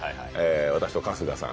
私と春日さん